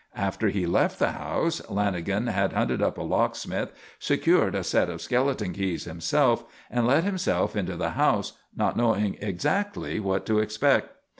After he left the house Lanagan had hunted up a locksmith, secured a set of skeleton keys himself, and let himself into the house, not knowing exactly what to expect.